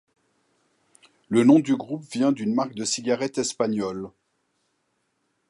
Le nom du groupe vient d'une marque de cigarettes espagnoles.